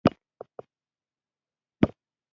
برېټانیا سیریلیون د خپل تحت الحیې په توګه اعلان کړ.